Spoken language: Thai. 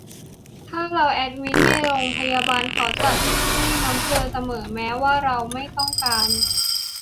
ถ้าเราแอดมิทในโรงพยาบาล เขาจะเจาะให้น้ำเกลือเสมอ แม้ว่าเราไม่ต้องการ